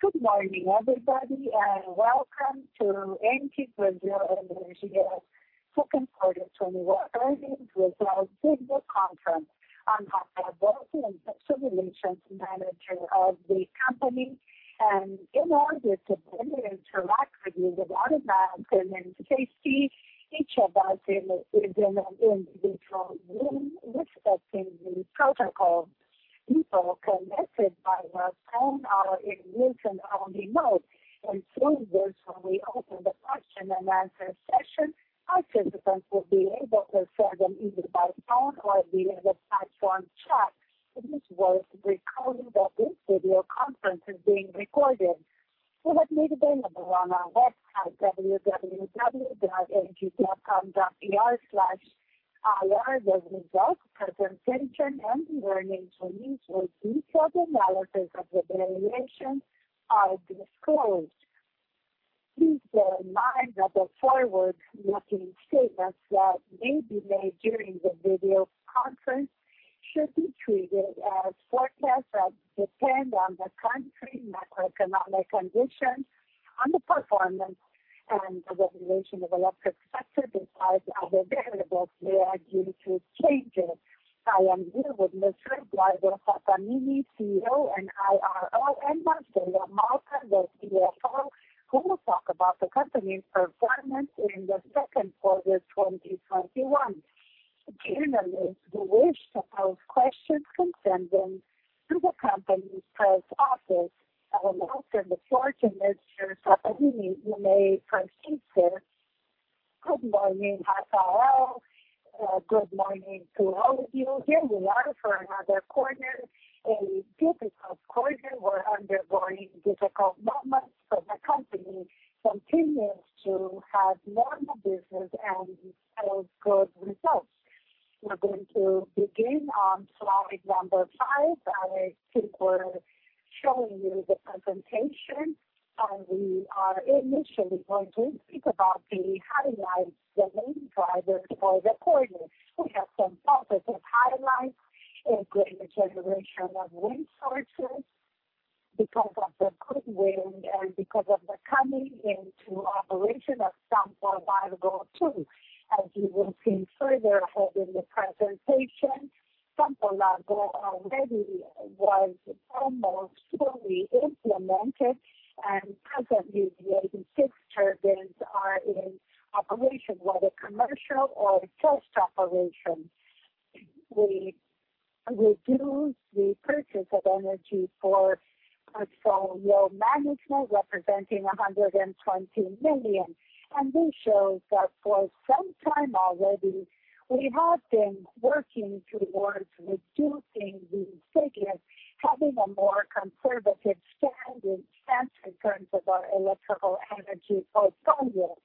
Good morning, everybody, and welcome to ENGIE Brasil Energia's second part of 2021. Earnings results from the conference. I'm Rafael Bósio, the Investor Relations Manager of the company, and in order to better interact with you without announcing and safety, each of us is in an individual room respecting the protocol. People connected by the phone are in muted-only mode, and soon this will be open to question and answer session. Participants will be able to share them either by phone or via the platform chat. It is worth recalling that this video conference is being recorded. You have made available on our website, www.engie.com.br/ir, the results, presentation, and learning tools with detailed analysis of the variations are disclosed. Please bear in mind that the forward-looking statements that may be made during the video conference should be treated as forecasts that depend on the country's macroeconomic conditions, on the performance, and the regulation of the electric sector, besides other variables that are due to changes. I am here with Mr. Eduardo Sattamini, CEO and IRO, and Marcelo Malta, the CFO, who will talk about the company's performance in the second quarter of 2021. Generally, we wish to pose questions concerning the company's press office. I will now turn the floor to Mr. Sattamini. You may proceed to. Good morning, Rafael. Good morning to all of you. Here we are for another quarter, a difficult quarter. We're undergoing difficult moments, but the company continues to have normal business and show good results. We're going to begin on slide number five. I think we're showing you the presentation, and we are initially going to speak about the highlights, the main drivers for the quarter. We have some positive highlights: a greater generation of wind sources because of the good wind and because of the coming into operation of Campo Largo II. As you will see further ahead in the presentation, Campo Largo already was almost fully implemented, and presently, the 86 turbines are in operation, whether commercial or test operation. We reduced the purchase of energy for portfolio management, representing 120 million, and this shows that for some time already, we have been working towards reducing the savings, having a more conservative standing sense in terms of our electrical energy portfolio.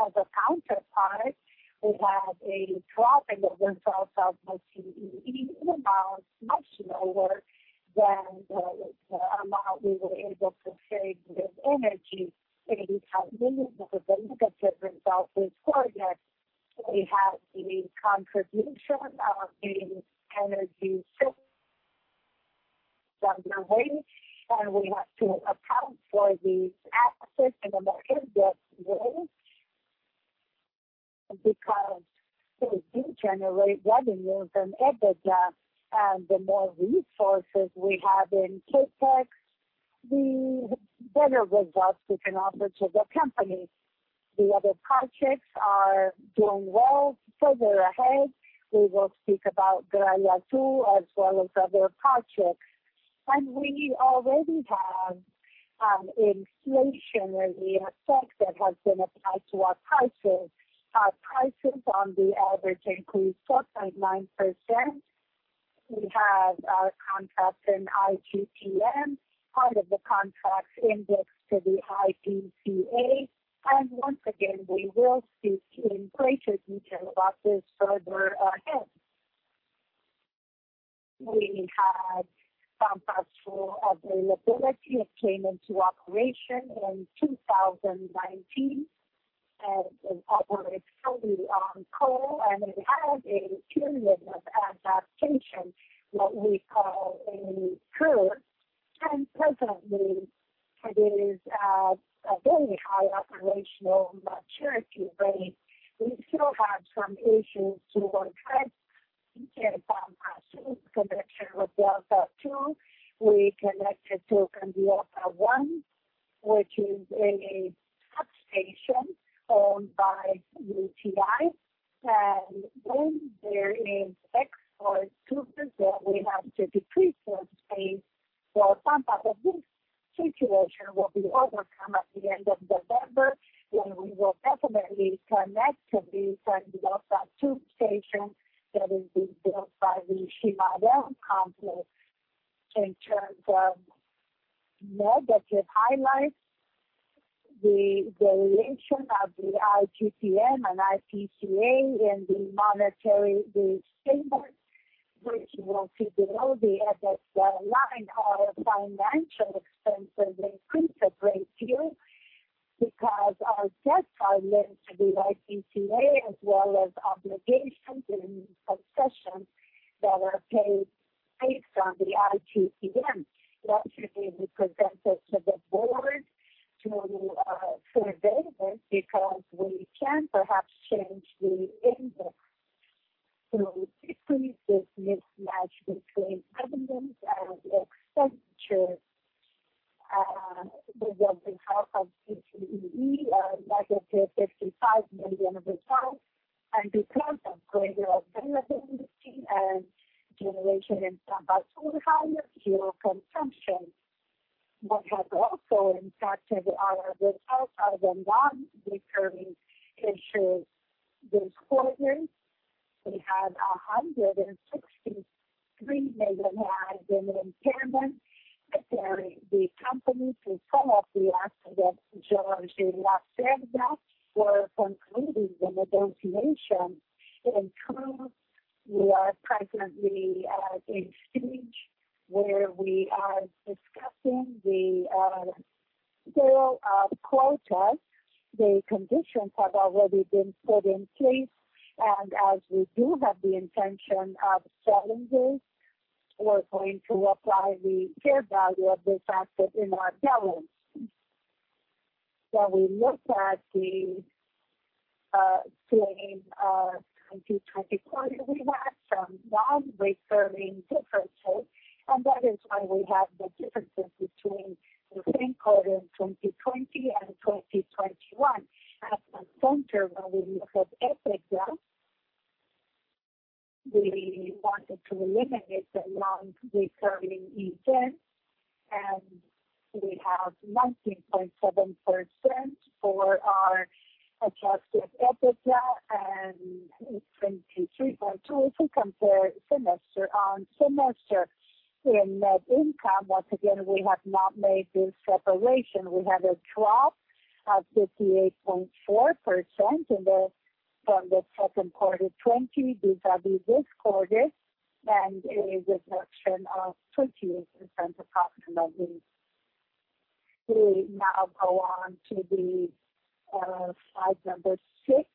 As a counterpart, we have a drop in the results of the CCEE, amounts much lower than the amount we were able to save with energy, BRL 85 million. This is a negative result this quarter. We have the contribution of the energy systems on the way, and we have to account for the assets in a more invest way because they do generate revenues and EBITDA, and the more resources we have in CapEx, the better results we can offer to the company. The other projects are doing well. Further ahead, we will speak about Gralha Azul as well as other projects. We already have an inflationary effect that has been applied to our prices. Our prices on the average increased 4.9%. We have our contracts in IGP-M, part of the contracts indexed to the IPCA. Once again, we will speak in greater detail about this further ahead. We had full availability at Compass. It came into operation in 2019 and operates fully on coal, and it had a period of adaptation, what we call a curve. Presently, it is at a very high operational maturity rate. We still have some issues to address. We came from a connection with Delta 2. We connected to Sambioco 1, which is a substation owned by UTI. When there is export to Brazil, we have to decrease the space. Some part of this situation will be overcome at the end of November, and we will definitely connect to the Sambioco 2 station that is being built by the Shimada Complex. In terms of negative highlights, the variation of the IGP-M and IPCA in the monetary statement, which we will see below the FSL line, our financial expenses increased a great deal because our debts are linked to the IPCA, as well as obligations in concessions that are paid based on the IGP-M. We have to be presented to the board to survey this because we can perhaps change the index to decrease this mismatch between revenues and expenditures. The resulting health of CCEE are negative BRL 55 million results. Because of greater availability and generation in compass full higher fuel consumption, what has also impacted our results are the non-recurring issues. This quarter, we had 163 million in impairment. Preparing the company to some of the accidents at Jorge Lacerda, we are concluding the negotiations in truth. We are presently at a stage where we are discussing the sale of quotas. The conditions have already been put in place, and as we do have the intention of selling this, we are going to apply the fair value of this asset in our balance. When we look at the same 2020 quarter, we had some non-recurring differences, and that is why we have the differences between the same quarter in 2020 and 2021. At the center, when we look at EBITDA, we wanted to eliminate the non-recurring events, and we have 19.7% for our Adjusted EBITDA and 23.2% if we compare semester on semester. In net income, once again, we have not made this separation. We had a drop of 58.4% from the second quarter 2020 vis-à-vis this quarter, and a reduction of 28% across the month. We now go on to the slide number six,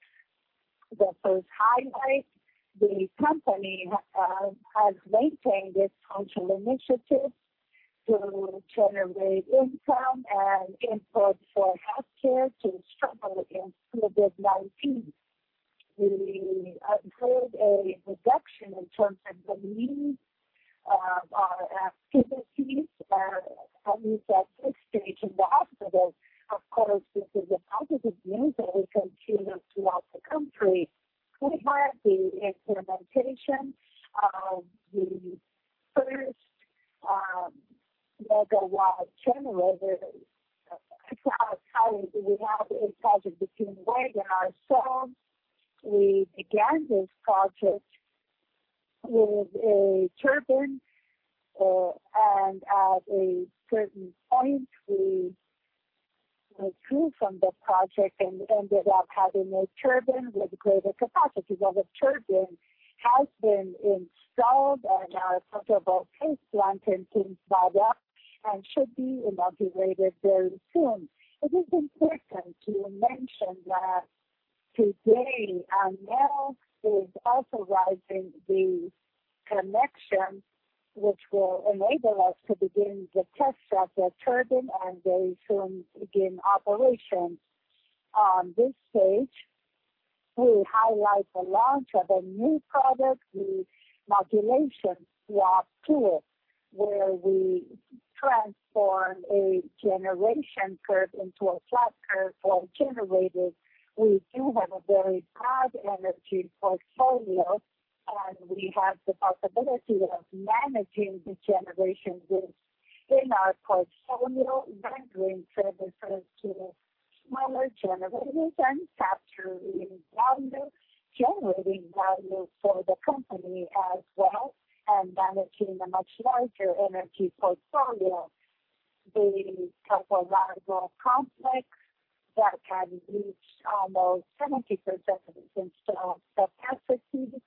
the first highlight. The company has maintained its social initiatives to generate income and input for healthcare to struggle with COVID-19. We heard a reduction in terms of the needs of our activities at this stage of the hospital. Of course, this is a positive news that we continue throughout the country. We had the implementation of the first megawatt generator across high. We have a project between WAG and ourselves. We began this project with a turbine, and at a certain point, we withdrew from the project and ended up having a turbine with greater capacity. The turbine has been installed at our photovoltaic plant in Kingsbadra and should be inaugurated very soon. It is important to mention that today, now is authorizing the connection, which will enable us to begin the tests of the turbine and very soon begin operation. On this page, we highlight the launch of a new product, the Modulation Swap Tool, where we transform a generation curve into a flat curve for generators. We do have a very broad energy portfolio, and we have the possibility of managing the generation risk in our portfolio, rendering services to smaller generators and capturing value, generating value for the company as well, and managing a much larger energy portfolio. The topological complex that had reached almost 70% of its installed capacity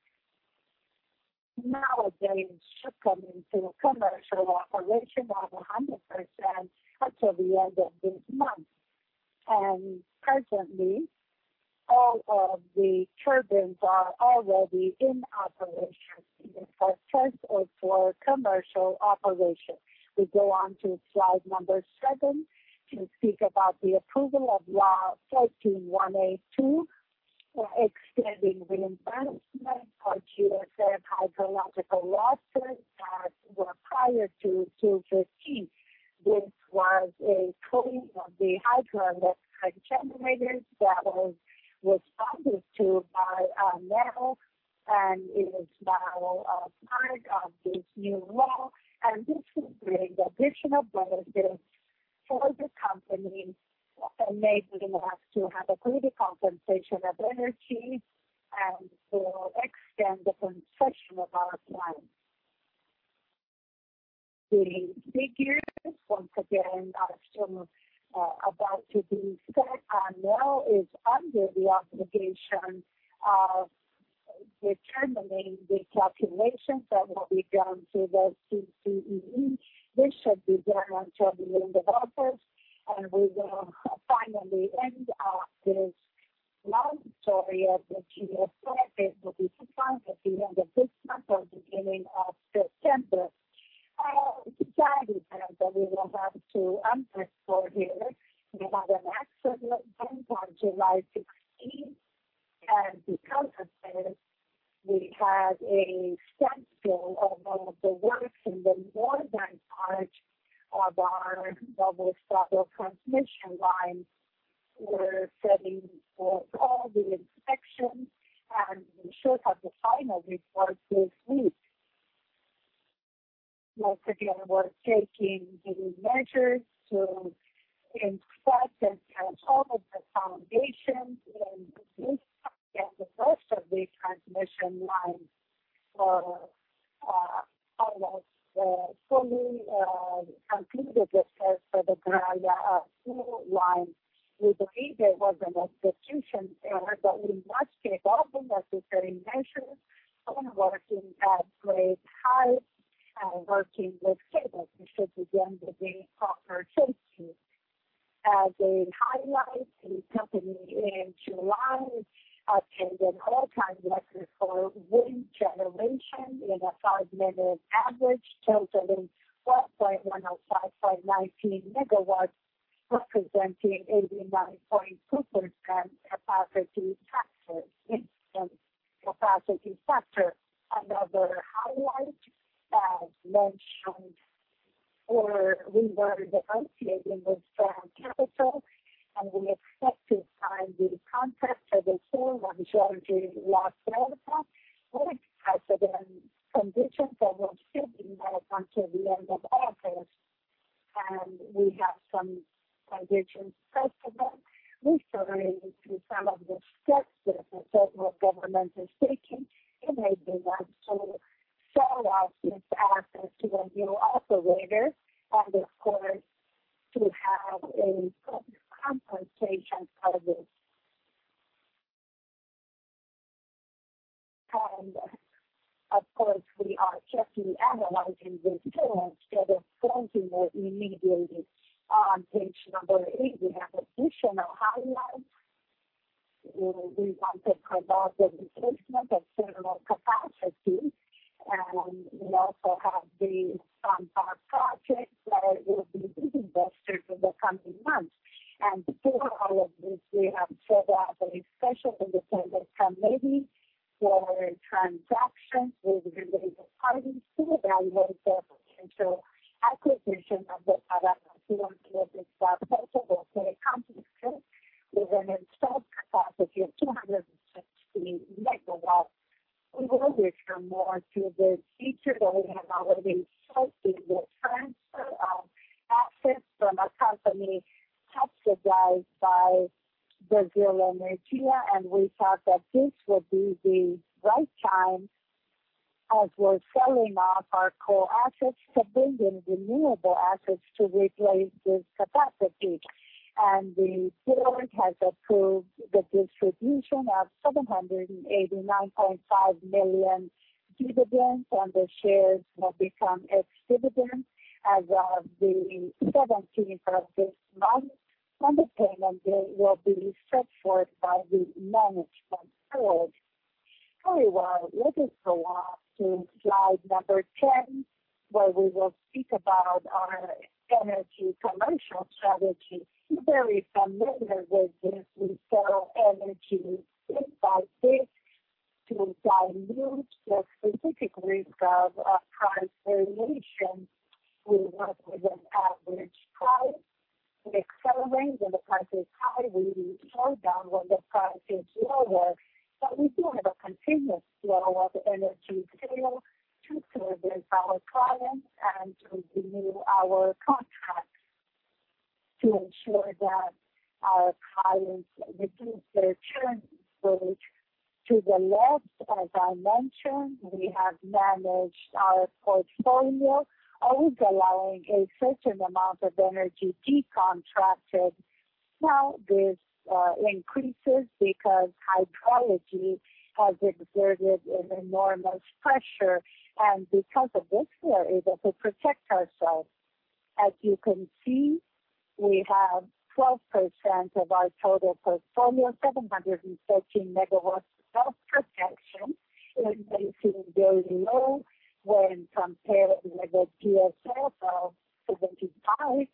nowadays should come into commercial operation at 100% until the end of this month. Presently, all of the turbines are already in operation, either for test or for commercial operation. We go on to slide number seven to speak about the approval of law 14182, extending reimbursement for GSF hydrological losses that were prior to 2015. This was a claim of the hydroelectric generators that was responded to by ANEEL, and it is now a part of this new law. This will bring additional benefits for the company, enabling us to have a greater compensation of energy and will extend the concession of our clients. The figures, once again, are still about to be set. ANEEL is under the obligation of determining the calculations that will be done through the CCEE. This should be done until the end of August, and we will finally end this long story of the GSF, April 25, at the end of this month or beginning of September. Side effects that we will have to underscore here. We had an accident on July 16, and because of this, we had a standstill of all of the works in the northern part of our double-saddle transmission line. We're setting forth all the inspections, and we should have the final report this week. Once again, we're taking the measures to inspect and test all of the foundations in this and the rest of the transmission lines. We're almost fully completed the test for the Gralha Azul line. We believe there was an execution error, but we must take all the necessary measures. Own working at great height and working with cables should begin with the proper safety. As a highlight, the company in July attended all-time record for wind generation in a five-minute average, totaling 1,105.19 MW, representing 89.2% capacity factor. Another highlight, as mentioned, we were negotiating with France Capital, and we expect to sign the contract for the full majority Lacerda with precedent conditions that will sit in that until the end of August. We have some conditions festival, referring to some of the steps that the federal government is taking in a demand to sell off this asset to a new operator and, of course, to have a compensation for this. We are certainly analyzing this bill instead of floating or remediating on page number eight. We have additional highlights. We want to promote the replacement of federal capacity, and we also have the compass project that will be reinvested in the coming months. For all of this, we have set up a special independent committee for transactions with related parties to evaluate the potential acquisition of the power plant. We want to make this possible for the complex. We are going to install capacity of 260 MW. We will refer more to the feature that we have already cited, the transfer of assets from a company subsidized by Engie Brasil Energia. We thought that this would be the right time, as we're selling off our coal assets to bring in renewable assets to replace this capacity. The board has approved the distribution of 789.5 million dividends, and the shares will become ex-dividends as of the 17th of this month. Funded payment will be set forth by the management board. Very well, let us go on to slide number 10, where we will speak about our energy commercial strategy. You're very familiar with this. We sell energy inside this to dilute the specific risk of price variation. We work with an average price. We accelerate when the price is high. We slow down when the price is lower. We do have a continuous flow of energy sale to service our clients and to renew our contracts to ensure that our clients reduce their churn rate. To the left, as I mentioned, we have managed our portfolio, always allowing a certain amount of energy decontracted. Now this increases because hydrology has exerted an enormous pressure, and because of this, we are able to protect ourselves. As you can see, we have 12% of our total portfolio, 713 MW of protection. It may seem very low when compared with the GSF of 75%,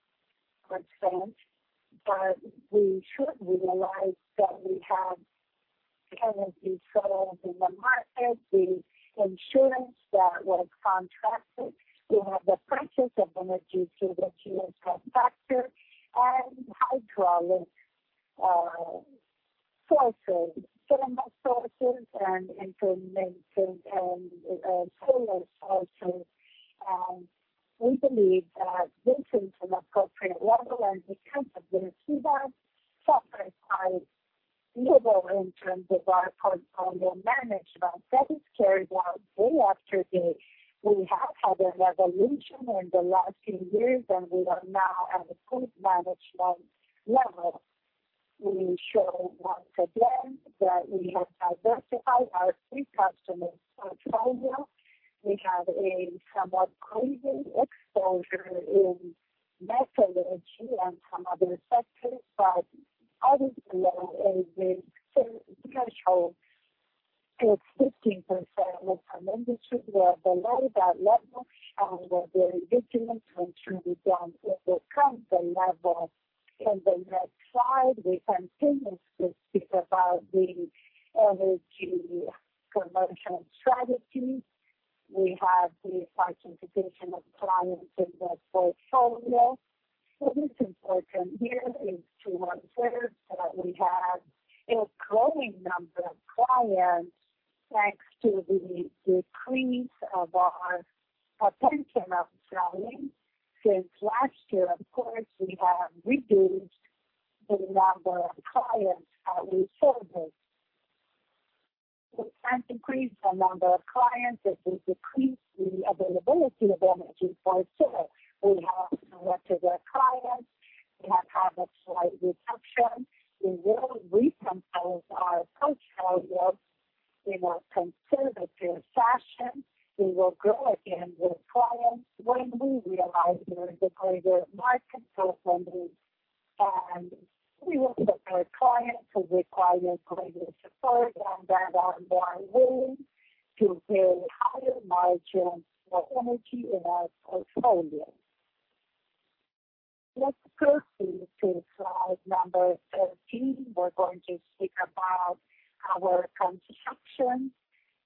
but we should realize that we have energy sales in the market, the insurance that was contracted, we have the purchase of energy through the GSF factor, and hydraulic sources, thermal sources, and information and solar sources. We believe that this is an appropriate level, and we can't have been too bad to access our portfolio in terms of our portfolio management. That is carried out day after day. We have had a revolution in the last few years, and we are now at a good management level. We show once again that we have diversified our three customers' portfolio. We have a somewhat crazy exposure in metallurgy and some other sectors, but obviously a very threshold of 15% of our industry. We are below that level, and we're very vigilant to ensure we don't overcome the level. In the next slide, we continue to speak about the energy commercial strategy. We have the participation of clients in this portfolio. What is important here is to observe that we have a growing number of clients thanks to the decrease of our potential of selling. Since last year, of course, we have reduced the number of clients that we service. We can't increase the number of clients if we decrease the availability of energy for sale. We have selected our clients. We have had a slight reduction. We will recompose our portfolio in a conservative fashion. We will grow again with clients when we realize there is a greater market for them. We will put our clients who require greater support and that are more willing to pay higher margins for energy in our portfolio. Let's proceed to slide number 13. We're going to speak about our construction.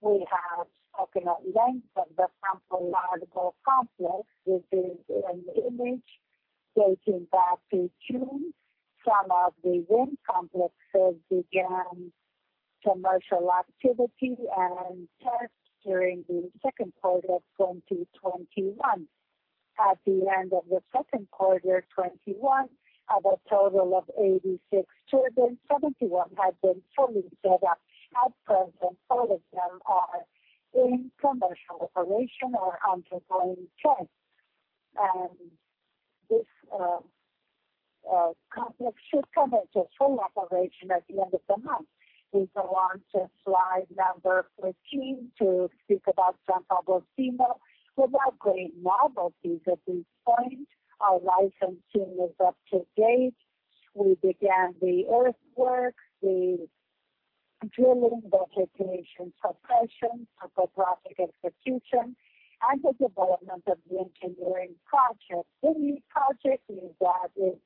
We have spoken at length of the Campo Largo complex. This is an image dating back to June. Some of the wind complexes began commercial activity and tests during the second quarter of 2021. At the end of the second quarter of 2021, of a total of 86 turbines, 71 had been fully set up. At present, all of them are in commercial operation or undergoing tests. This complex should come into full operation at the end of the month. We go on to slide number 14 to speak about Sampa Bocinó. Without great novelty at this point, our licensing is up to date. We began the earthworks, the drilling, vegetation succession, topographic execution, and the development of the engineering project. The new project is at its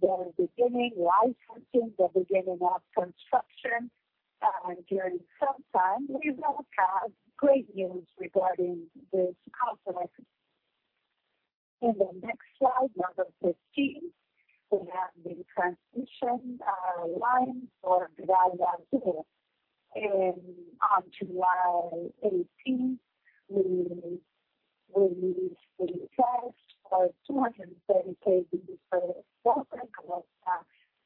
very beginning, licensing the beginning of construction. During some time, we will have great news regarding this complex. In the next slide, number 15, we have the transmission line for Gralha Azul. On July 18, we released the test for 230 kV for 12 MW of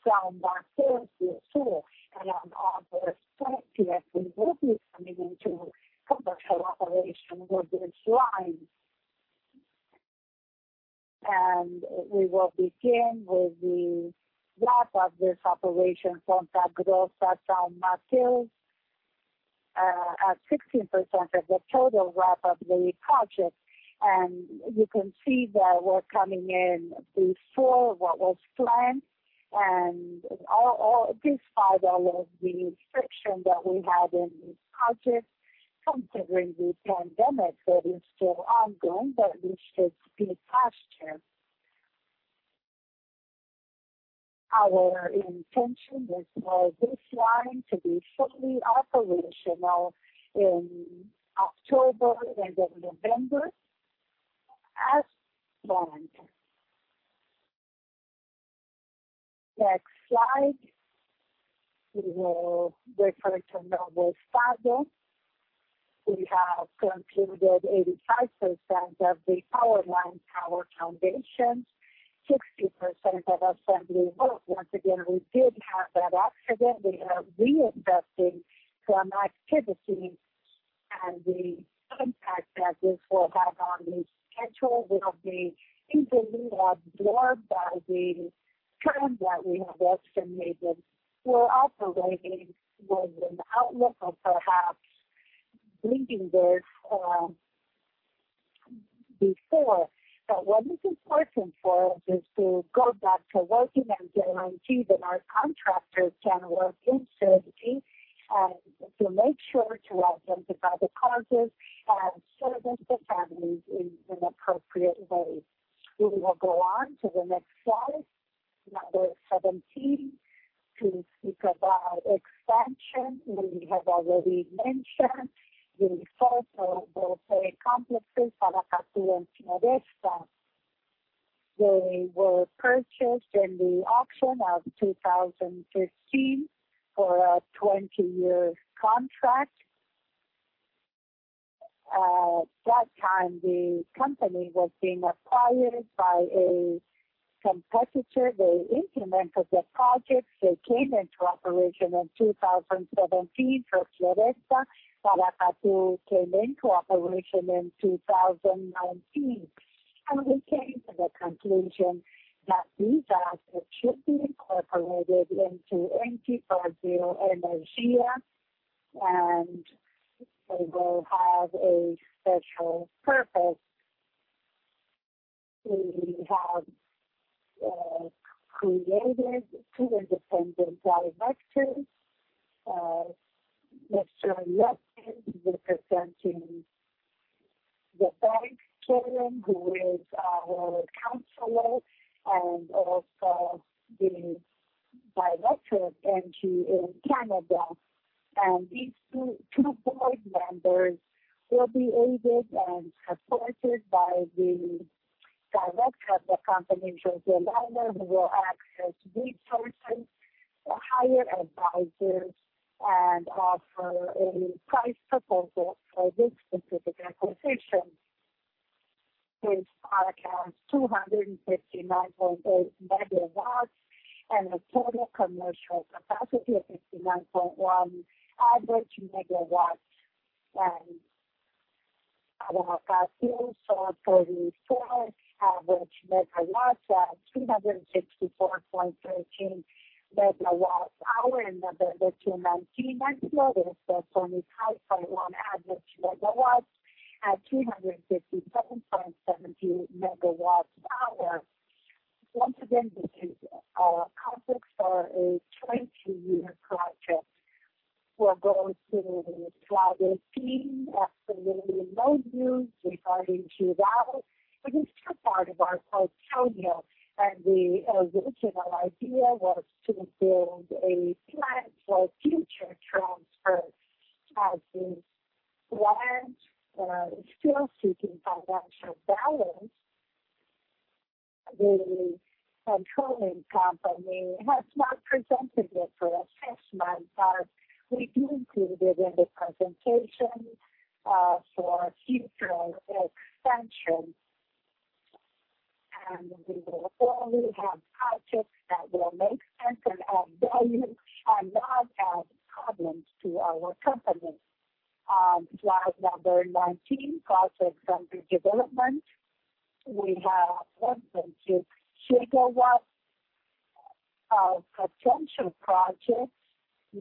Cellon-Boston 2. On August 20, we will be coming into commercial operation with this line. We will begin with the wrap of this operation from Santa Grossa, Cellon-Matilde, at 16% of the total wrap of the project. You can see that we're coming in before what was planned. All this follows the friction that we had in this project, considering the pandemic that is still ongoing, but we should be past it. Our intention is for this line to be fully operational in October and November as planned. Next slide. We will refer to Novo Estado. We have concluded 85% of the power line power foundations, 60% of assembly work. Once again, we did have that accident. We are reinvesting some activity, and the impact that this will have on the schedule will be easily absorbed by the trend that we have estimated. We're operating with an outlook of perhaps bleeding this before. What is important for us is to go back to working and guarantee that our contractors can work in safety and to make sure to identify the causes and service the families in an appropriate way. We will go on to the next slide, number 17, to speak about expansion. We have already mentioned the Sampa Bocin complexes, Alacatá and Floresta. They were purchased in the auction of 2015 for a 20-year contract. At that time, the company was being acquired by a competitor. They implemented the project. They came into operation in 2017 for Floresta. Alacatá came into operation in 2019. We came to the conclusion that these assets should be incorporated into MT Brazil Energia, and they will have a special purpose. We have created two independent directors. Mr. Lupin, representing the bank chairman, who is our counselor, and also the director of MT in Canada. These two board members will be aided and supported by the director of the company, Jose Lalo, who will access resources, hire advisors, and offer a price proposal for this specific acquisition. This park has 259.8 MW and a total commercial capacity of 59.1 average MW. Alacatá sold 44 average MW at BRL 364.13 per megawatt-hour in November 2019, and Floresta sold 5.1 average MW at 357.72 per megawatt-hour. Once again, this is our complex for a 20-year project. We will go to slide 18. Absolutely no news regarding Gralha Azul. It is still part of our portfolio, and the original idea was to build a plan for future transfers. As this plan is still seeking financial balance, the controlling company has not presented it for assessment, but we do include it in the presentation for future expansion. We will only have projects that will make sense and add value and not add problems to our company. On slide number 19, projects under development, we have 1.6 gigawatts of potential projects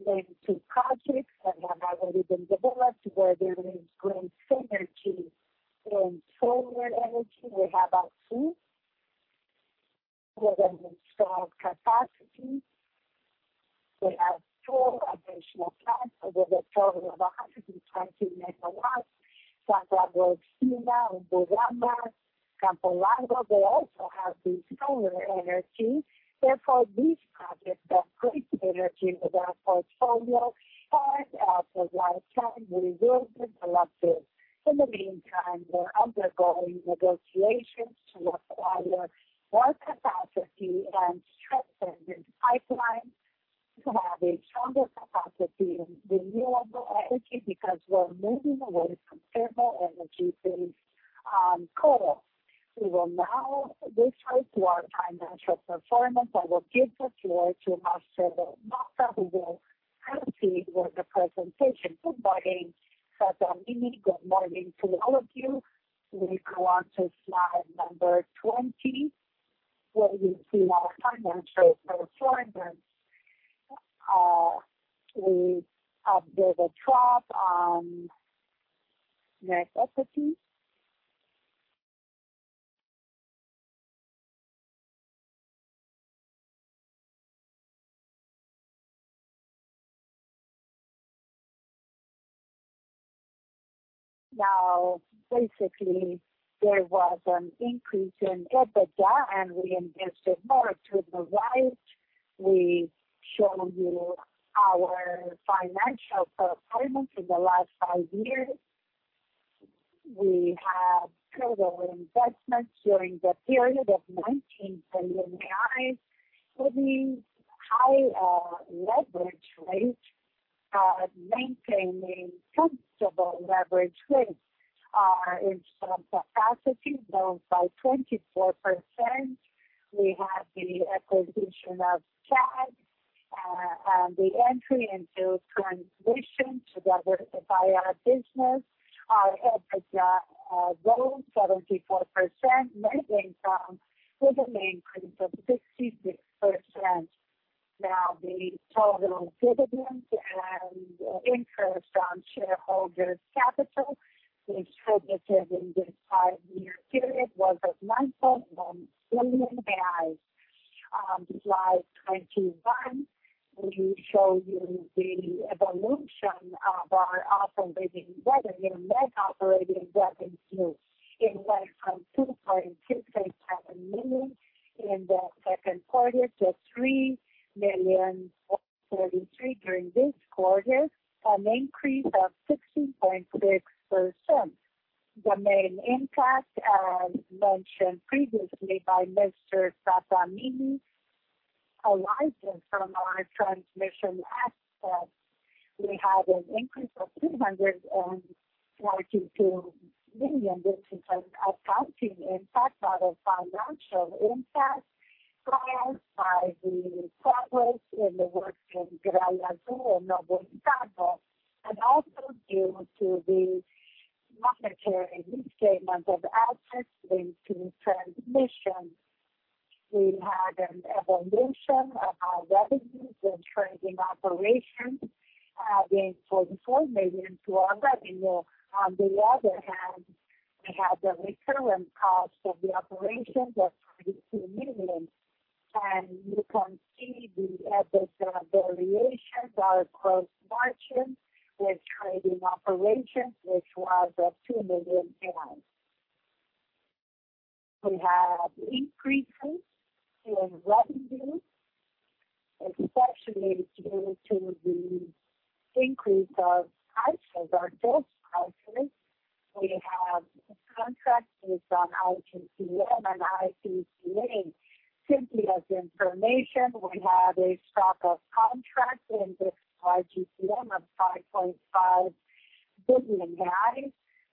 linked to projects that have already been developed where there is great synergy in solar energy. We have a few with an installed capacity. We have four additional plants with a total of 120 MW: Santa Cruz, Cina, Urubamba, Campo Largo. They also have the solar energy. Therefore, these projects are great energy with our portfolio. Part of the lifetime we will develop this. In the meantime, we're undergoing negotiations to acquire more capacity and strengthen this pipeline to have a stronger capacity in renewable energy because we're moving away from thermal energy based coal. We will now refer to our financial performance. I will give the floor to Marcelo Malta, who will proceed with the presentation. Good morning, Sattamini. Good morning to all of you. We go on to slide number 20, where you see our financial performance. We update a drop on net equity. Now, basically, there was an increase in EBITDA, and we invested more to the right. We show you our financial performance in the last five years. We had total investments during the period of 19 billion, with a high leverage rate, maintaining comfortable leverage rates. Our installed capacity rose by 24%. We had the acquisition of TAG, and the entry into transmission together by our business. Our EBITDA rose 74%. Net income with an increase of 66%. Now, the total dividends and interest on shareholders' capital, which pivoted in this five-year period, was of BRL 9.1 billion. On slide 21, we show you the evolution of our operating revenue. Net operating revenue went from BRL 2,237 million in the second quarter to 3,000 million. In 2023, during this quarter, an increase of 16.6%. The main impact, as mentioned previously by Mr. Sattamini, arises from our transmission assets. We had an increase of 242 million, which is an accounting impact, not a financial impact, caused by the progress in the work in Gralha Azul and Novo Estado, and also due to the monetary re-statement of assets linked to transmission. We had an evolution of our revenues and trading operations, adding 44 million to our revenue. On the other hand, we had the recurrent cost of the operations of BRL 42 million. You can see the EBITDA variations are across margins with trading operations, which was of BRL 2 million. We have increases in revenue, especially due to the increase of ICES, our sales ICES. We have contracts based on IGP-M and IPCA. Simply as information, we had a stock of contracts in this IGP-M of 5.5 billion.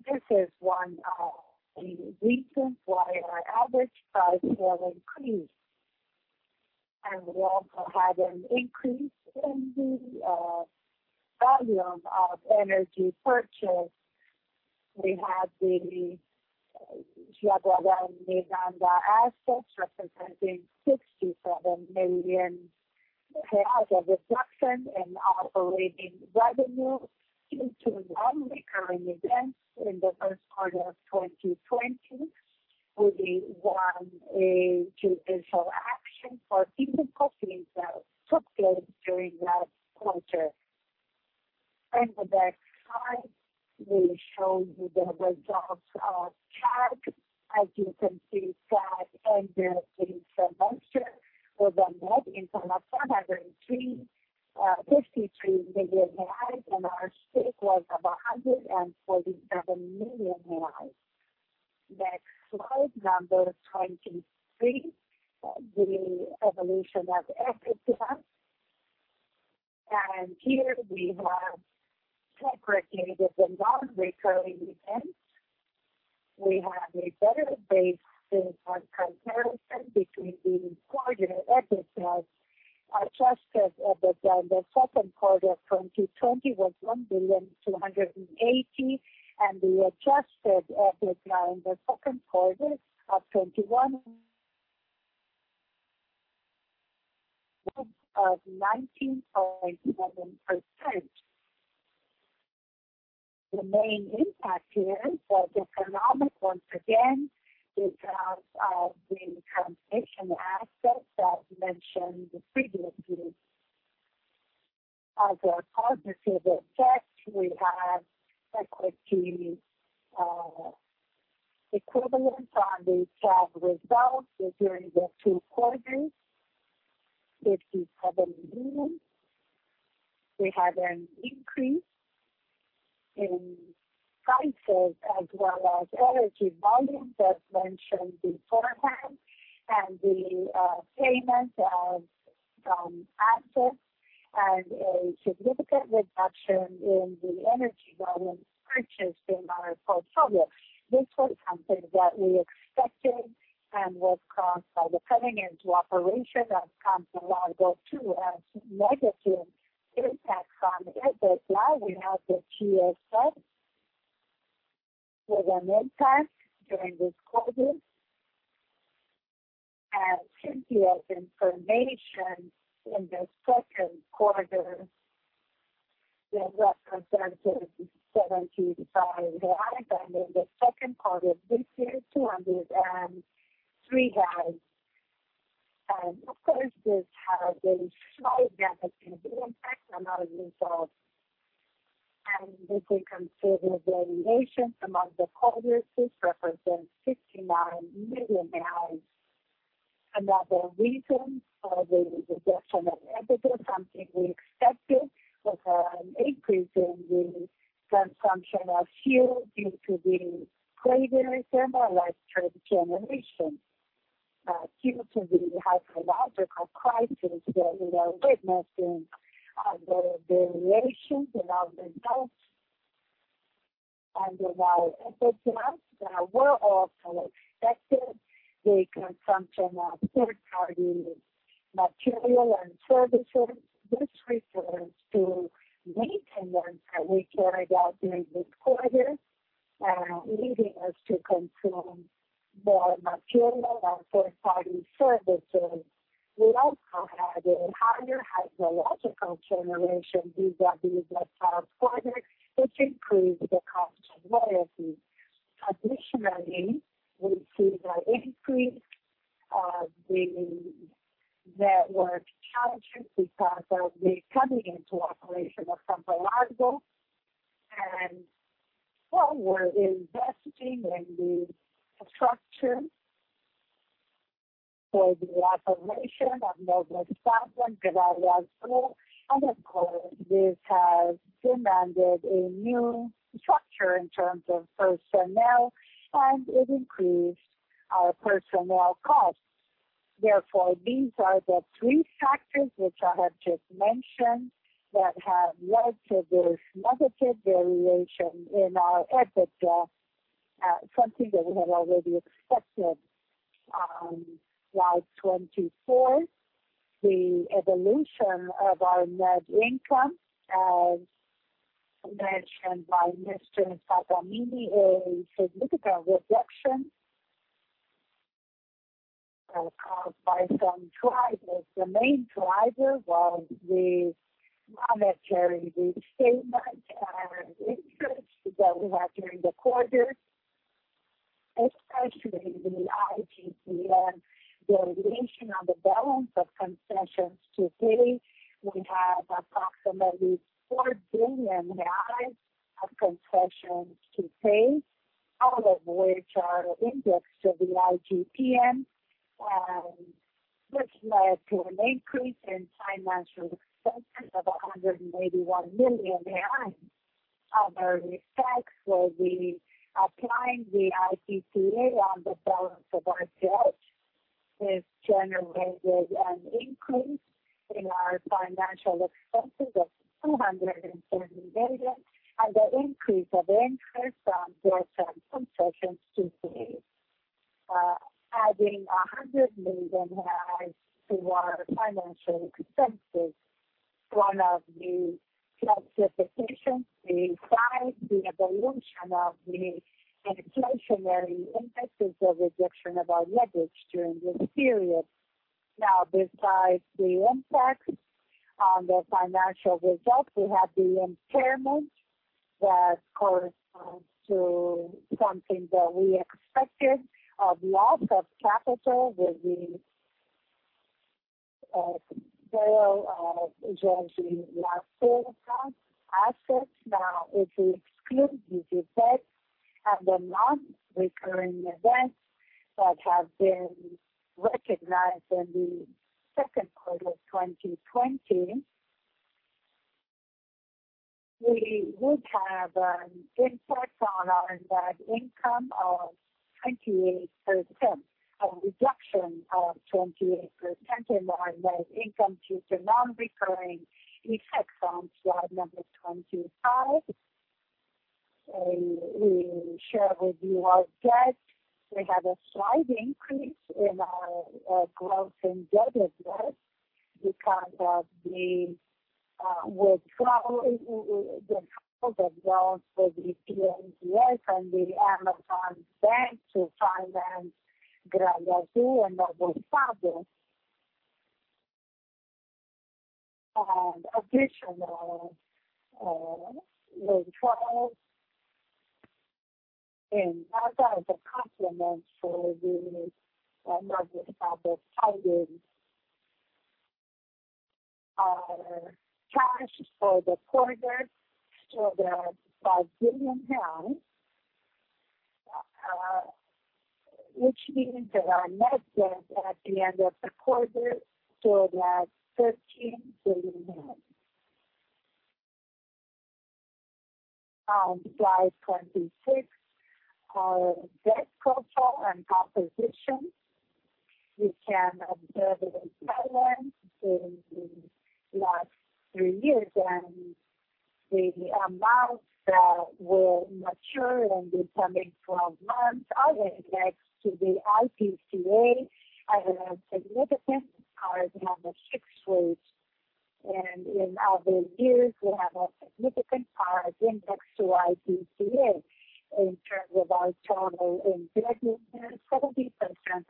This is one of the reasons why our average price will increase. We also had an increase in the volume of energy purchase. We have the Chiaprão and MIRANDA assets representing 67 million of reduction in operating revenue due to non-recurring events in the first quarter of 2020, with the one a judicial action for physical details took place during that quarter. In the next slide, we show you the results of TAG. As you can see, TAG ended in the semester with a net income of 153 million, and our stake was 147 million. Next slide, number 23, the evolution of EBITDA. Here we have separated with the non-recurring events. We have a better-based sales comparison between the quarterly EBITDA. Adjusted EBITDA in the second quarter of 2020 was 1 billion 280 million, and the Adjusted EBITDA in the second quarter of 2021 was up 19.7%. The main impact here was economic once again, because of the transmission assets as mentioned previously. As a cognitive effect, we have equity equivalence on the TAG results during the two quarters, BRL 57 million. We had an increase in prices as well as energy volumes as mentioned beforehand, and the payments of some assets, and a significant reduction in the energy volumes purchased in our portfolio. This was something that we expected and was caused by the coming into operation of Campo Largo II as negative impacts on EBITDA. We have the CIASSET with an impact during this quarter. Simply as information, in the second quarter, it represented BRL 75, and in the second quarter of this year, BRL 203. This has a slight negative impact on our results. If we consider variations among the quarters, this represents 59 million. Another reason for the reduction of EBITDA, something we expected, was an increase in the consumption of fuel due to the greater thermoelectric generation, due to the hydrological crisis that we are witnessing, and the variations in our results. In our EBITDA, that were also expected, the consumption of third-party material and services. This refers to maintenance that we carried out during this quarter, leading us to consume more material and third-party services. We also had a higher hydrological generation vis-à-vis the past quarter, which increased the cost of loyalty. Additionally, we see an increase of the network charges because of the coming into operation of Campo Largo. While we're investing in the structure for the operation of Novo Estado and Gralha Azul, this has demanded a new structure in terms of personnel, and it increased our personnel costs. Therefore, these are the three factors which I have just mentioned that have led to this negative variation in our EBITDA, something that we had already expected on slide 24. The evolution of our net income, as mentioned by Mr. Sattamini, a significant reduction caused by some drivers. The main driver was the monetary re-statement and interest that we had during the quarter, especially the IGP-M variation on the balance of concessions to pay. We have approximately 4 billion reais of concessions to pay, all of which are indexed to the IGP-M, and this led to an increase in financial expenses of 181 million. As a result, when we applied the IPCA on the balance of our debt, this generated an increase in our financial expenses of 270 million, and the increase of interest on brokerage concessions to pay, adding BRL 100 million to our financial expenses. One of the justifications besides the evolution of the inflationary impact is the reduction of our leverage during this period. Now, besides the impact on the financial results, we have the impairment that corresponds to something that we expected of loss of capital with the sale of Usina Termelétrica Jorge Lacerda assets. Now, if we exclude these effects and the non-recurring events that have been recognized in the second quarter of 2020, we would have an impact on our net income of 28%, a reduction of 28% in our net income due to non-recurring effects on slide number 25. We share with you our debt. We have a slight increase in our gross indebtedness because of the withdrawal of loans with the BNDES and the Amazon Bank to finance Gralha Azul and Novo Estado. Additionally, withdrawals in other as a complement for the Novo Estado funding are cashed for the quarter to that BRL 5 billion, which means that our net debt at the end of the quarter stood at 13 billion. On slide 26, our debt profile and composition. You can observe the balance in the last three years, and the amounts that will mature in the coming 12 months are indexed to the IPCA as a significant part. We have a fixed rate, and in other years, we have a significant part indexed to IPCA in terms of our total indebtedness, 70%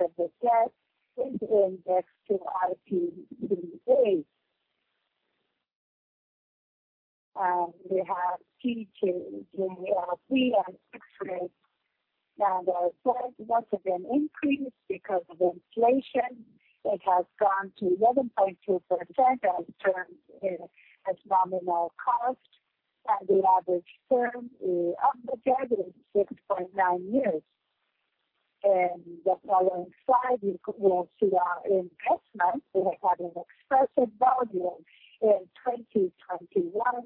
of the debt is indexed to IPCA. We have TJLP and CDI and fixed rates, and our debt was again increased because of inflation. It has gone to 11.2% as terms in nominal cost, and the average term of the debt is 6.9 years. In the following slide, you will see our investment. We have had an excessive volume in 2021.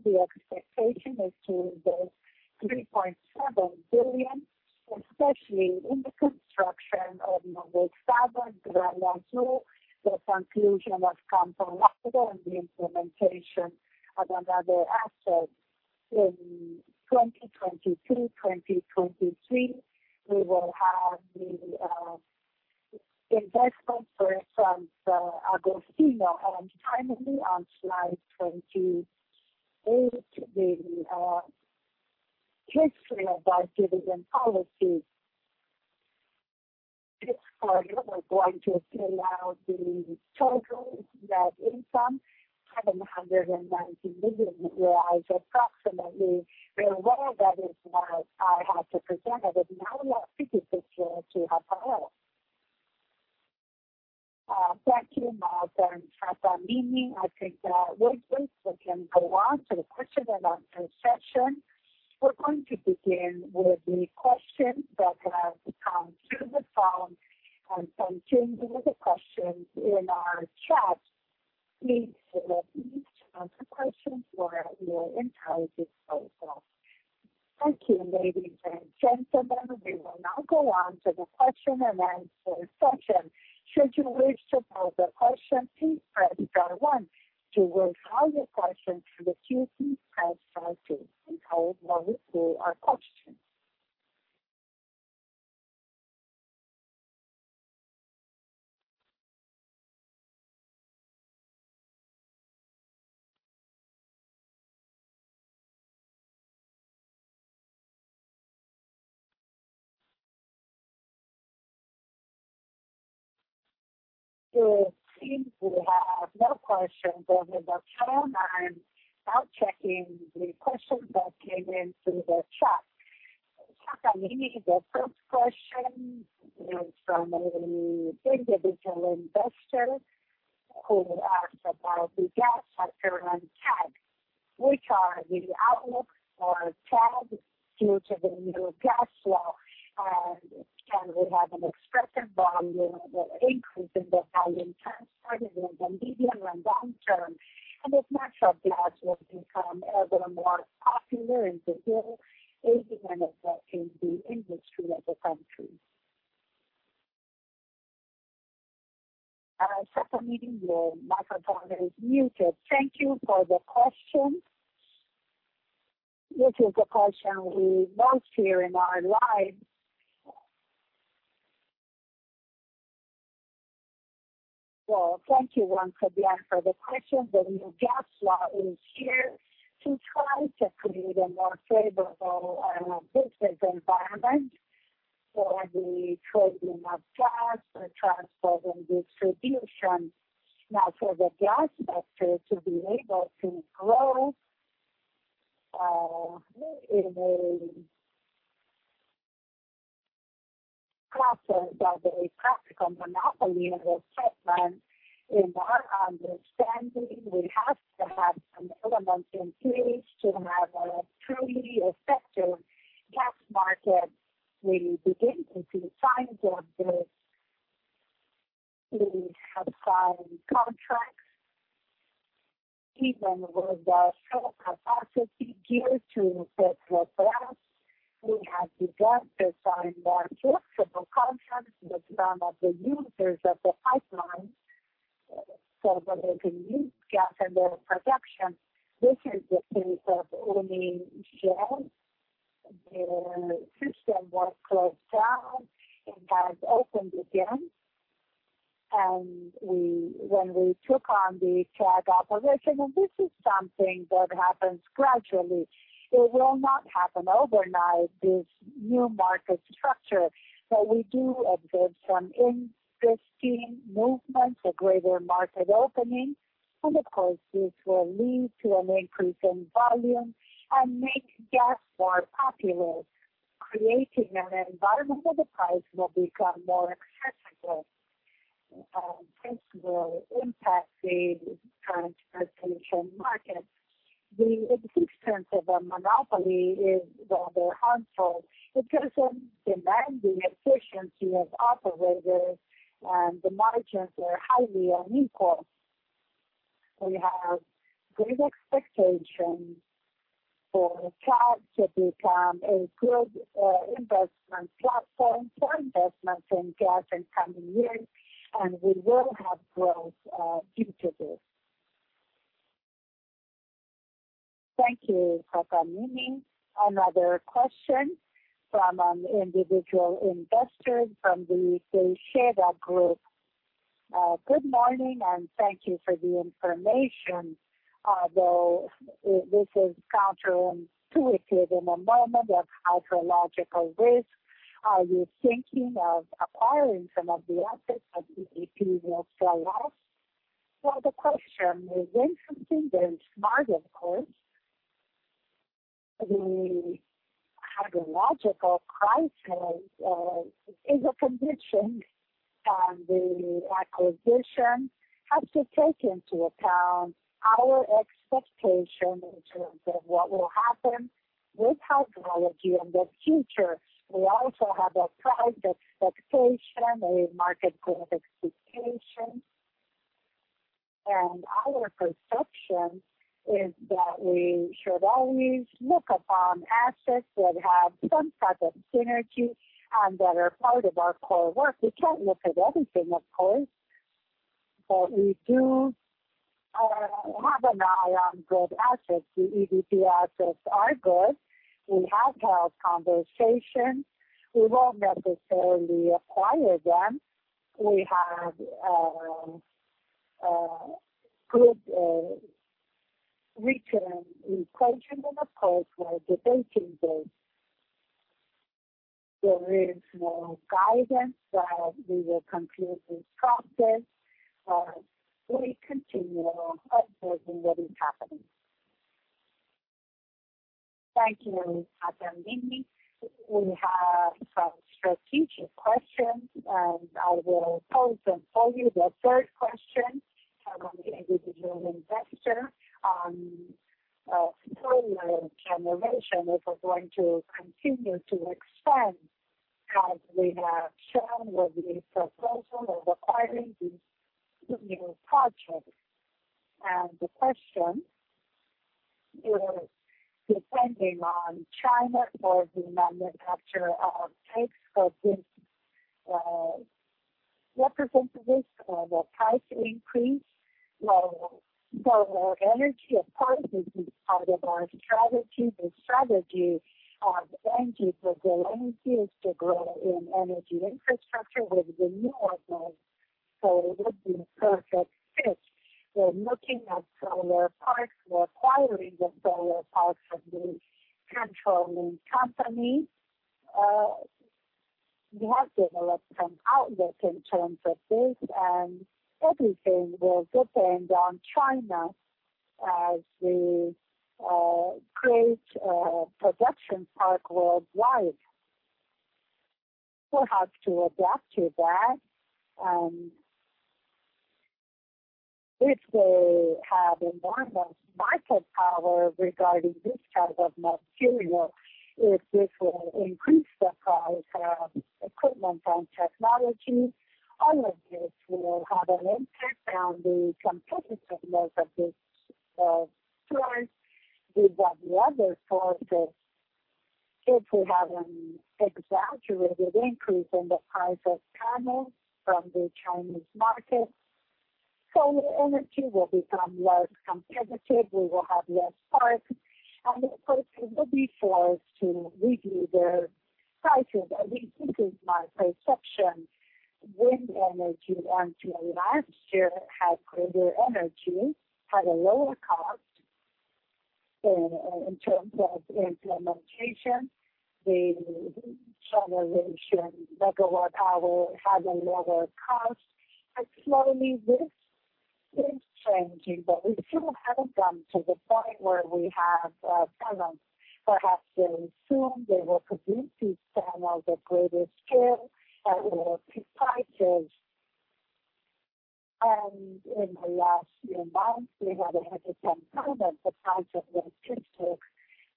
The expectation is to invest 3.7 billion, especially in the construction of Novo Estado and Gralha Azul, the conclusion of Campo Largo, and the implementation of another asset. In 2023, 2023, we will have the investment for Santo Agostinho. Finally, on slide 28, the history of our dividend policy. This quarter, we're going to fill out the total net income, 790 million, approximately. Very well, that is what I have to present. I would now like to give the floor to Rafael. Thank you, Malta and Sattamini. I think that we're good. We can go on to the question and answer session. We're going to begin with the questions that have come through the phone and some changes of the questions in our chat. Please leave to answer questions or your entire disposal. Thank you, ladies and gentlemen. We will now go on to the question and answer session. Should you wish to pose a question, please press star one. You will have your question for the QP, press star two. We'll go to our questions. It seems we have no questions over the phone. I'm now checking the questions that came in through the chat. Sattamini, the first question is from an individual investor who asked about the gas sector and TAG, which are the outlooks for TAG due to the new gas law. Can we have an expressive volume or increase in the volume transferred in the medium and long term? If natural gas will become ever more popular in the world, aiming at working the industry of the country. Sattamini, your microphone is muted. Thank you for the question. This is the question we most hear in our lives. Thank you once again for the question. The new gas law is here to try to create a more favorable business environment for the trading of gas, the transport, and distribution. Now, for the gas sector to be able to grow in a process of a practical monopoly and a settlement, in our understanding, we have to have some elements in place to have a truly effective gas market. We begin to see signs of this. We have signed contracts, even with the full capacity geared to set the price. We have begun to sign more flexible contracts with some of the users of the pipeline so that they can use gas in their production. This is the case of OMI Shell. Their system was closed down. It has opened again. When we took on the TAG operation, and this is something that happens gradually, it will not happen overnight, this new market structure. We do observe some interesting movements, a greater market opening. Of course, this will lead to an increase in volume and make gas more popular, creating an environment where the price will become more accessible. This will impact the transportation market. The existence of a monopoly is rather harmful because it demands the efficiency of operators, and the margins are highly unequal. We have great expectations for TAG to become a good investment platform for investments in gas in coming years, and we will have growth due to this. Thank you, Sattamini. Another question from an individual investor from the Teixeira Group. Good morning, and thank you for the information. Although this is counterintuitive in a moment of hydrological risk, are you thinking of acquiring some of the assets that EPP will sell off? The question is interesting and smart, of course. The hydrological crisis is a condition, and the acquisition has to take into account our expectation in terms of what will happen with hydrology in the future. We also have a price expectation, a market growth expectation. Our perception is that we should always look upon assets that have some type of synergy and that are part of our core work. We cannot look at everything, of course, but we do have an eye on good assets. The EPP assets are good. We have had conversations. We will not necessarily acquire them. We have good return equation and, of course, we are debating this. There is no guidance that we will conclude this process. We continue observing what is happening. Thank you, Sattamini. We have some strategic questions, and I will pose them for you. The third question from an individual investor on solar generation if we're going to continue to expand, as we have shown with the proposal of acquiring this new project. The question is, depending on China or the manufacturer of tapes, could this represent the risk of a price increase? Solar energy, of course, is part of our strategy. The strategy of Engie Brasil Energia is to grow in energy infrastructure with renewables, so it would be a perfect fit. We're looking at solar parks. We're acquiring the solar parks from the controlling company. We have developed some outlook in terms of this, and everything will depend on China as the great production park worldwide. We'll have to adapt to that. If they have enormous market power regarding this type of material, if this will increase the price of equipment and technology, all of this will have an impact on the competitiveness of this choice and the other sources. If we have an exaggerated increase in the price of panels from the Chinese market, solar energy will become less competitive. We will have less parts. Of course, it will be forced to reduce their prices. At least this is my perception. Wind energy until last year had greater energy, had a lower cost in terms of implementation. The generation megawatt-hour had a lower cost. Slowly, this is changing, but we still have not come to the point where we have panels. Perhaps very soon, they will produce these panels at greater scale at lower prices. In the last few months, we have had to compare the price of those pieces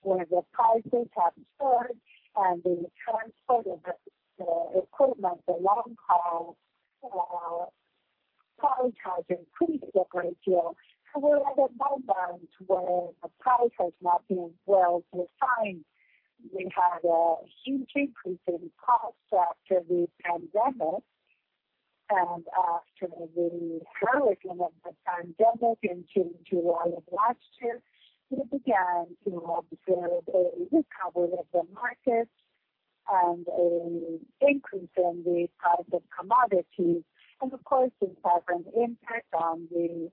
where the prices have soared and the transport of the equipment, the long haul power charge, increased a great deal. We are at a moment where the price has not been well defined. We had a huge increase in costs after the pandemic. After the horror of the pandemic in June and July of last year, we began to observe a recovery of the markets and an increase in the price of commodities. Of course, this has an impact on the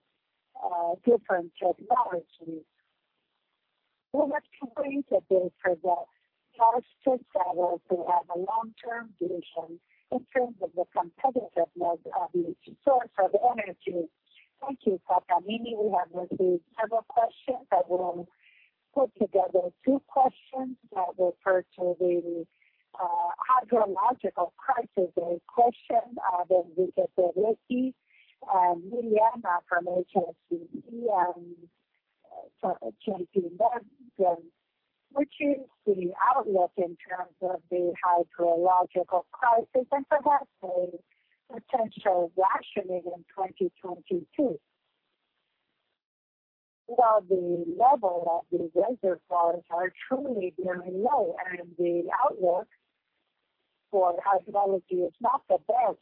different technologies. We are at a point that they present price to sell if they have a long-term vision in terms of the competitiveness of each source of energy. Thank you, Sattamini. We have received several questions. I will put together two questions that refer to the hydrological crisis. A question of Nidhika Delucchi and Lianna from HSEE and Changping Deng, which is the outlook in terms of the hydrological crisis and perhaps a potential rationing in 2022. While the level of the reservoirs are truly very low and the outlook for hydrology is not the best,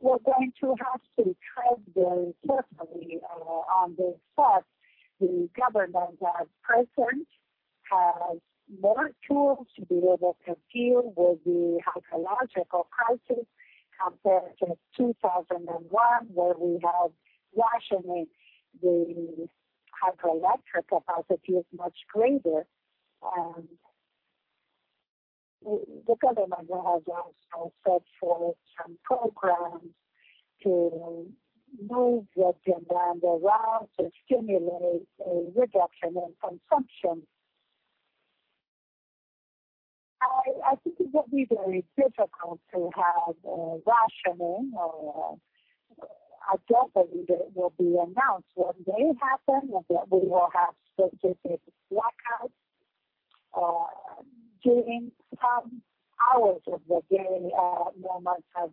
we're going to have to tread very carefully on this step. The government at present has more tools to be able to deal with the hydrological crisis compared to 2001, where we had rationing. The hydroelectric capacity is much greater. The government has also set forth some programs to move the demand around to stimulate a reduction in consumption. I think it will be very difficult to have a rationing or a delivery that will be announced when they happen and that we will have specific blackouts during some hours of the day at moments of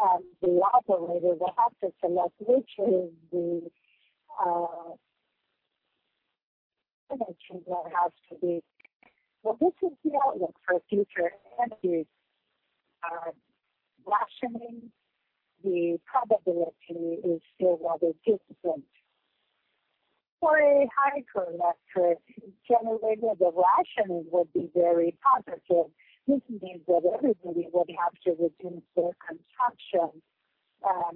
peak. The operator will have to select which is the energy that has to be. This is the outlook for future energy. Rationing, the probability is still rather disciplined. For a hydroelectric generator, the rationing would be very positive. This means that everybody would have to reduce their consumption.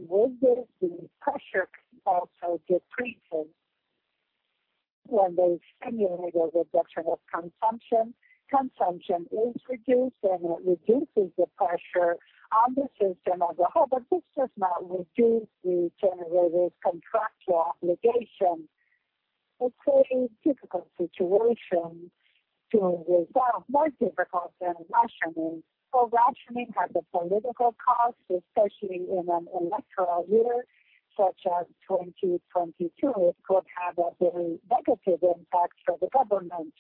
With this, the pressure also decreases. When they stimulate a reduction of consumption, consumption is reduced, and it reduces the pressure on the system as a whole, but this does not reduce the generator's contractual obligation. It's a difficult situation to resolve, more difficult than rationing. Rationing has a political cost, especially in an electoral year such as 2022. It could have a very negative impact for the government.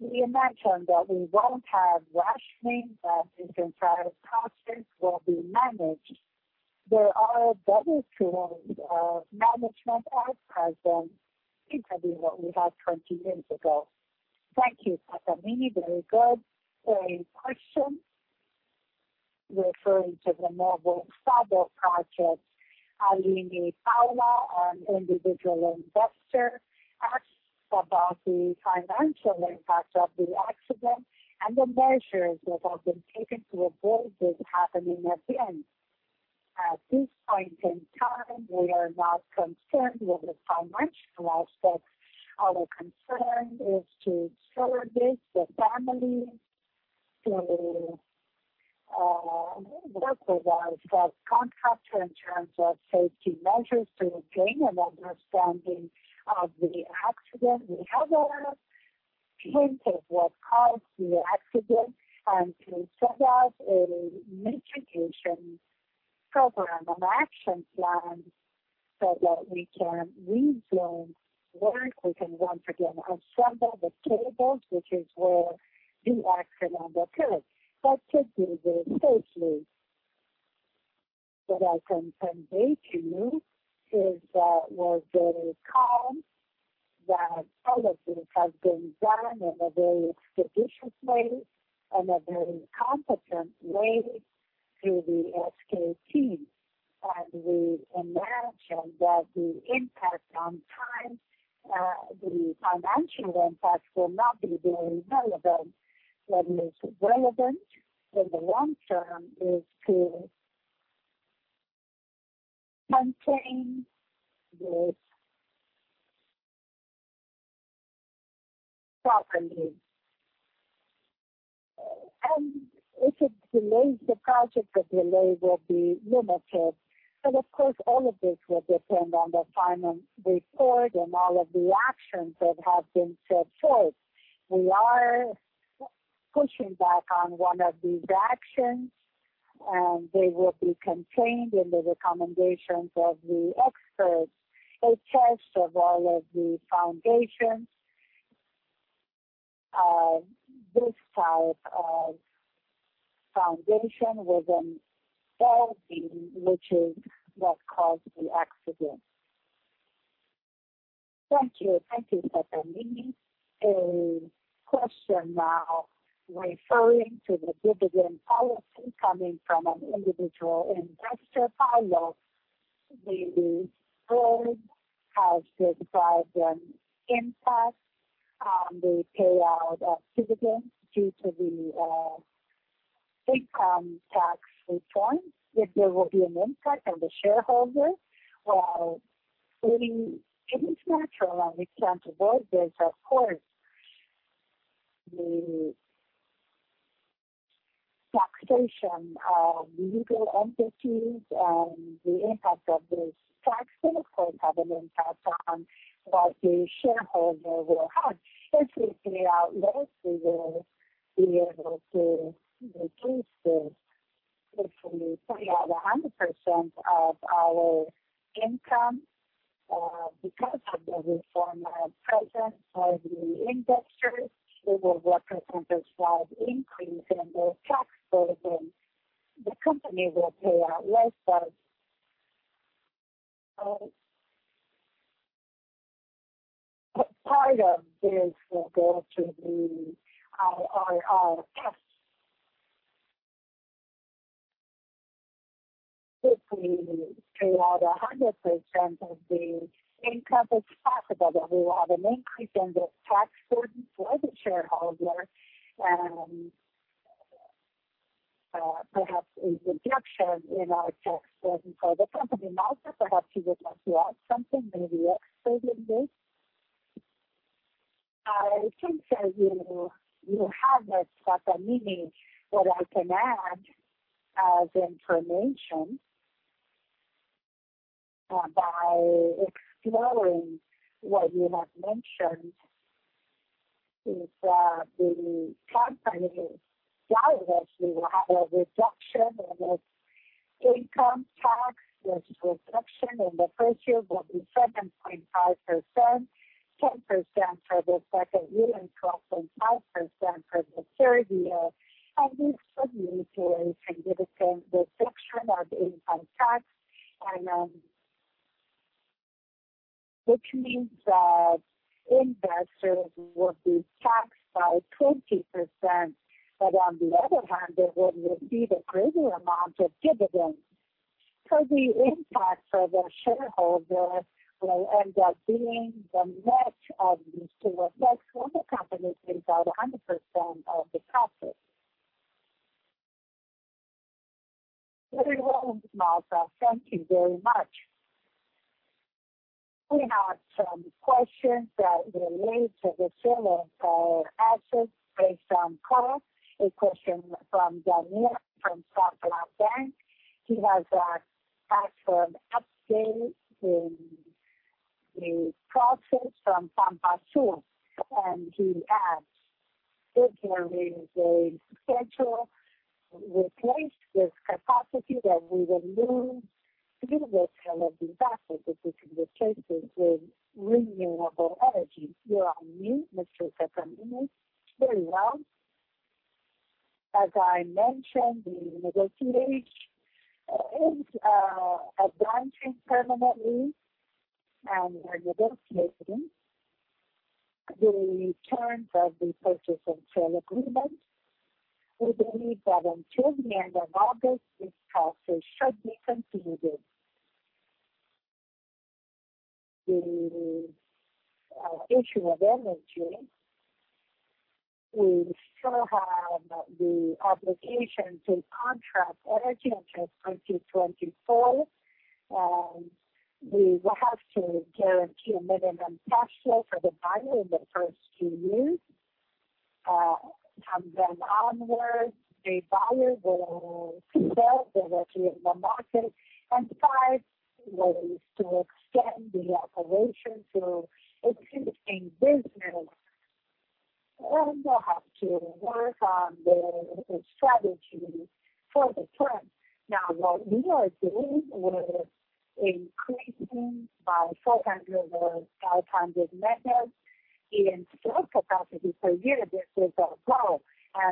We imagine that we won't have rationing, that enterprise processes will be managed. There are better tools of management as present, compared to what we had 20 years ago. Thank you, Sattamini. Very good. A question referring to the mobile cable project. Aline Paola, an individual investor, asks about the financial impact of the accident and the measures that have been taken to avoid this happening again. At this point in time, we are not concerned with the financial aspect. Our concern is to serve this, the families, to work with our best contractor in terms of safety measures to gain an understanding of the accident. We have a hint of what caused the accident and to set up a mitigation program and action plan so that we can rejoin, work, we can once again assemble the cables, which is where the accident occurred, but to do this safely. What I can convey to you is that we're very calm, that all of this has been done in a very expeditious way, in a very competent way through the SK team. We imagine that the impact on time, the financial impact, will not be very relevant. What is relevant in the long term is to maintain this properly. If it delays the project, the delay will be limited. Of course, all of this will depend on the final report and all of the actions that have been set forth. We are pushing back on one of these actions, and they will be contained in the recommendations of the experts. A test of all of the foundations, this type of foundation within Delphi, which is what caused the accident. Thank you. Thank you, Sattamini. A question now referring to the dividend policy coming from an individual investor, Carlo. The board has described an impact on the payout of dividends due to the income tax reform. If there will be an impact on the shareholders, it is natural and we can't avoid this, of course. The taxation of legal entities and the impact of this tax will, of course, have an impact on what the shareholder will have. If we pay out less, we will be able to reduce this. If we pay out 100% of our income because of the reform present for the investors, it will represent a slight increase in those tax burden. The company will pay out less, but part of this will go to the IRRF. If we pay out 100% of the income, it's possible that we will have an increase in this tax burden for the shareholder and perhaps a reduction in our tax burden for the company. Malta, perhaps you would like to add something, maybe explaining this. I can tell you you have it, Sattamini. What I can add as information by exploring what you have mentioned is that the company largest will have a reduction in its income tax. This reduction in the first year will be 7.5%, 10% for the second year, and 12.5% for the third year. This could lead to a significant reduction of income tax, which means that investors will be taxed by 20%, but on the other hand, they will receive a greater amount of dividends. The impact for the shareholder will end up being the net of these two effects when the company pays out 100% of the profit. Very well, Malta. Thank you very much. We have some questions that relate to the sale of our assets based on cost. A question from Daniel from Southland Bank. He has asked for an update in the process from Pampasour, and he adds, "If there is a schedule replaced with capacity, then we will move a little bit of these assets if we can replace them with renewable energy." You're on mute, Mr. Sattamini. Very well. As I mentioned, the negotiation is advancing permanently and we're negotiating the terms of the purchase and sale agreement. We believe that until the end of August, this process should be completed. The issue of energy, we still have the obligation to contract energy until 2024, and we will have to guarantee a minimum cash flow for the buyer in the first few years. From then onward, the buyer will sell directly in the market, and five, we'll still extend the operation to existing business. We will have to work on the strategy for the firm. Now, what we are doing with increasing by 400 or 500 MW in sale capacity per year, this is our goal.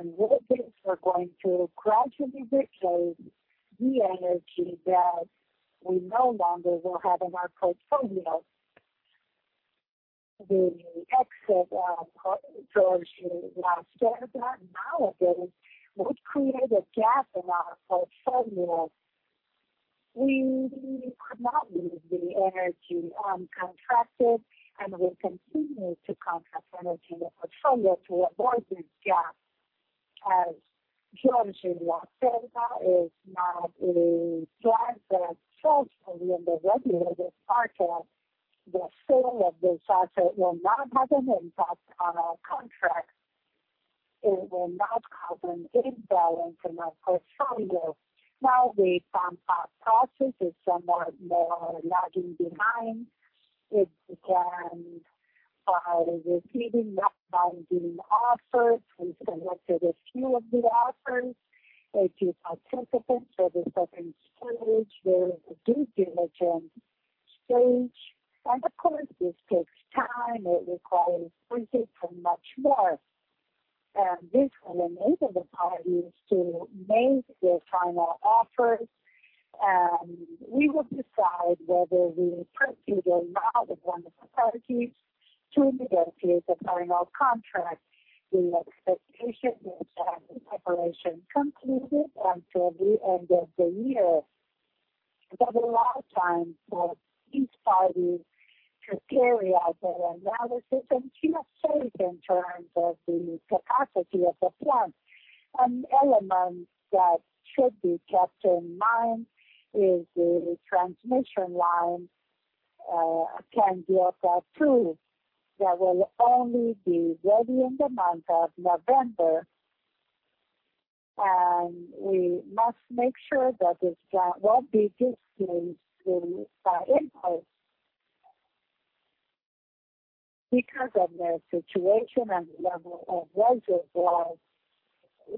With this, we are going to gradually replace the energy that we no longer will have in our portfolio. The exit of Jorge Lacerda that nowadays would create a gap in our portfolio. We could not leave the energy uncontracted, and we will continue to contract energy in the portfolio to avoid this gap. As Jorge Lacerda is not a plant that sells only in the regulated part, the sale of this asset will not have an impact on our contract. It will not cause an imbalance in our portfolio. Now, the Pampas process is somewhat more lagging behind. It began by receiving not binding offers. We selected a few of the offers. If you participate for the second stage, there is a due diligence stage. This takes time. It requires printing from much more. This will enable the parties to make their final offers. We will decide whether we approve it or not if one of the parties to negotiate the final contract. The expectation is to have the operation completed until the end of the year. There will allow time for these parties to carry out their analysis and keep updates in terms of the capacity of the plant. An element that should be kept in mind is the transmission line, Candioka 2, that will only be ready in the month of November. We must make sure that this plant won't be displaced by impulse. Because of the situation and the level of reservoirs,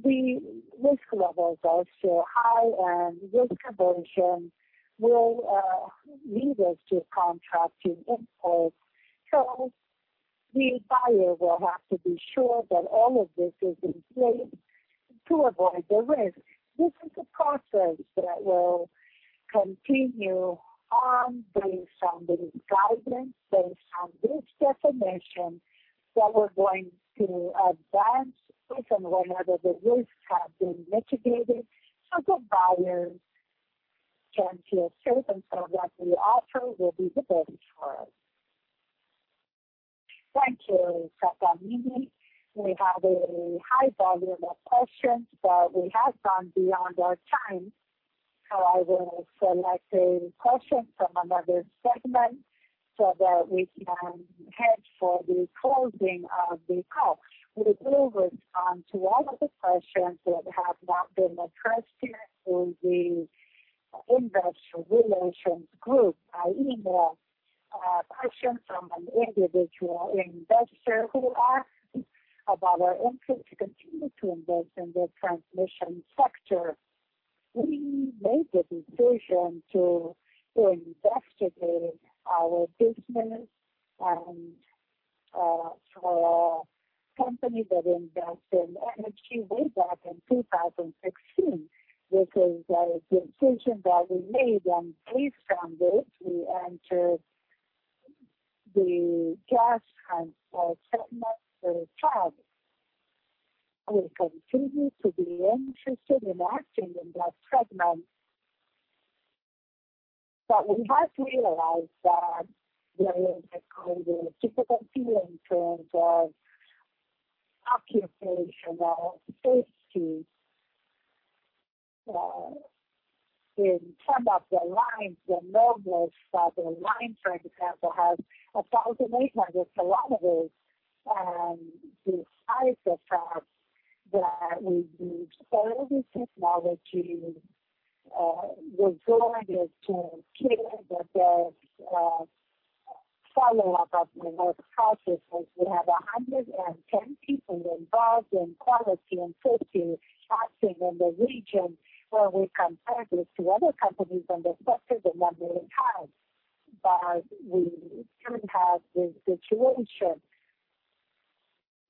the risk levels are still high, and risk aversion will lead us to contracting imports. The buyer will have to be sure that all of this is in place to avoid the risk. This is a process that will continue on based on the guidance, based on this definition that we're going to advance if and whenever the risks have been mitigated so that buyers can feel safe and feel that the offer will be the best for us. Thank you, Sattamini. We have a high volume of questions, but we have gone beyond our time. I will select a question from another segment so that we can head for the closing of the call. We will respond to all of the questions that have not been addressed here through the Investor Relations Group. I emailed a question from an individual investor who asked about our interest to continue to invest in the transmission sector. We made the decision to investigate our business for a company that invests in energy way back in 2016. This is a decision that we made, and based on this, we entered the gas transfer segment through TAG. We continue to be interested in acting in that segment, but we have realized that there is a greater difficulty in terms of occupational safety in some of the lines. The low-voltage line, for example, has 1,800 km. Despite the fact that we use all the technology, we're going to ensure that there's follow-up of the work processes. We have 110 people involved in quality and safety acting in the region where we compare this to other companies in the sector that have made it high, but we still have this situation.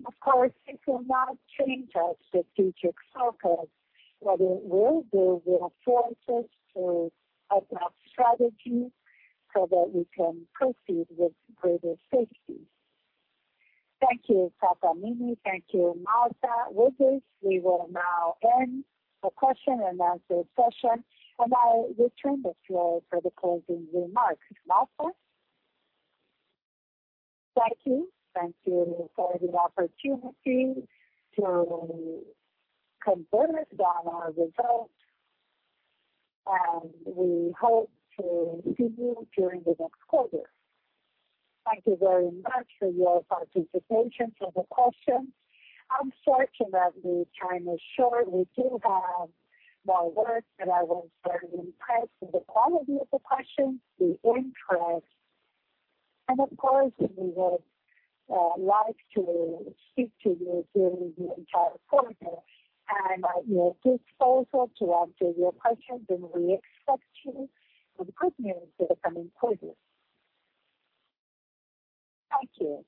Of course, it will not change our strategic focus. What it will do will force us to adopt strategies so that we can proceed with greater safety. Thank you, Sattamini. Thank you, Malta. With this, we will now end the question-and-answer session, and I return the floor for the closing remarks. Malta? Thank you. Thank you for the opportunity to converse on our results, and we hope to see you during the next quarter. Thank you very much for your participation through the questions. Unfortunately, time is short. We do have more work, but I was very impressed with the quality of the questions, the interest, and of course, we would like to speak to you during the entire quarter. I am at your disposal to answer your questions, and we expect you some good news for the coming quarter. Thank you.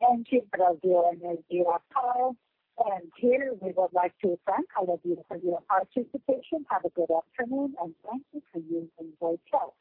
Engie Brasil Energia. Here, we would like to thank all of you for your participation. Have a good afternoon, and thank you for using Voice Health.